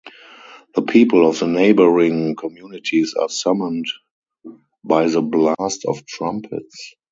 The people of the neighboring communities are summoned by the blast of trumpets.